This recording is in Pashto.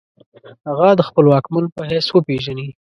هغه د خپل واکمن په حیث وپیژني.